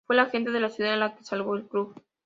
Fue la gente de ciudad la que salvó el club.